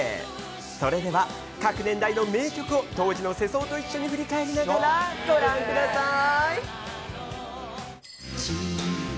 それでは、各年代の名曲を当時の世相と一緒に振り返りながらご覧ください。